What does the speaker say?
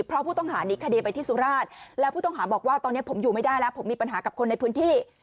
เพราะผู้ต้องหาหนีคดีไปที่สุราชแล้วผู้ต้องหาบอกว่าตอนนี้ผมอยู่ไม่ได้แล้วผมมีปัญหากับคนในพื้นที่